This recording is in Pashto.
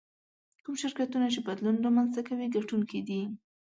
کوم شرکتونه چې بدلون رامنځته کوي ګټونکي دي.